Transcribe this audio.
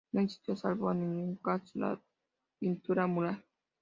No existió, salvo algún caso, la pintura mural.